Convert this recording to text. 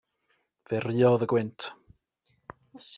Fe ruodd y gwynt.